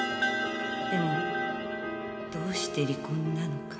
でもどうして離婚なのか？